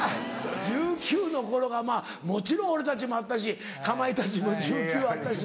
１９歳の頃がまぁもちろん俺たちもあったしかまいたちも１９歳あったし。